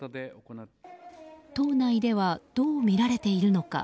党内ではどう見られているのか。